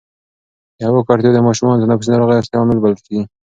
د هوا ککړتیا د ماشومانو د تنفسي ناروغیو اصلي عامل بلل کېږي.